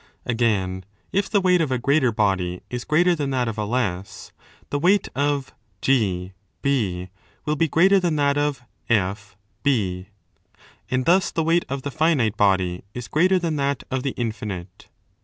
Again, if the weight of a greater body is greater than that of a less, the weight of GA will be greater than that of 1.83} and thus the weight of the finite body is greater than that of the infinite.